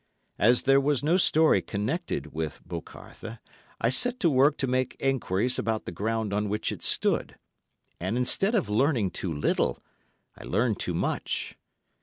As there was no story connected with "Bocarthe," I set to work to make enquiries about the ground on which it stood, and instead of learning too little, I learned too much.